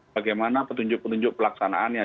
bagaimana petunjuk petunjuk pelaksanaannya